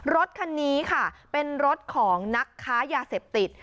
รถคันนี้ค่ะเป็นรถของนักค้ายาเสพติด